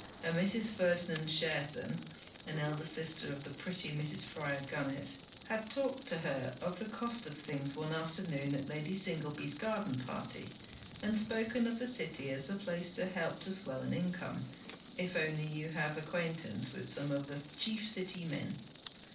A Mrs. Ferdinand Cherson, an elder sister of the pretty Mrs. Fryar Gunnett, had talked to her of the cost of things one afternoon at Lady Singleby's garden party, and spoken of the City as the place to help to swell an income, if only you have an acquaintance with some of the chief City men.